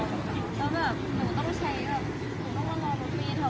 ตอนนี้กำหนังไปคุยของผู้สาวว่ามีคนละตบ